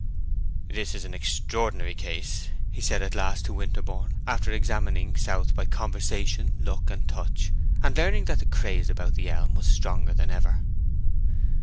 "This is an extraordinary case," he said at last to Winterborne, after examining South by conversation, look, and touch, and learning that the craze about the elm was stronger than ever.